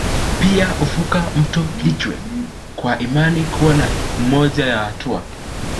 Pia huvuka mto Lwiche kwa imani kuwa ni moja ya hatua